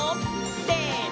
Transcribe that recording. せの！